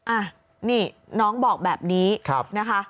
อ่ะนี่น้องบอกแบบนี้นะคะ